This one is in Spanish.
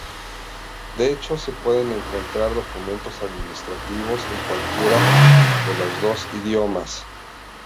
De hecho se pueden encontrar documentos administrativos en cualquiera de los dos idiomas.